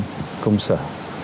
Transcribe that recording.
cướp công sở